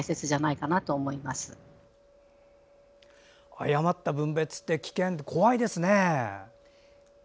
誤った分別って危険、怖いですね。